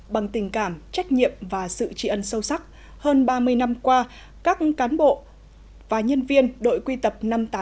bằng tình cảm trách nhiệm và sự trị ân sâu sắc hơn ba mươi năm qua các cán bộ và nhân viên đội quy tập năm trăm tám mươi tám